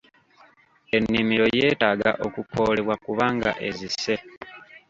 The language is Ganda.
Ennimiro yeetaaga okukoolebwa kubanga ezise.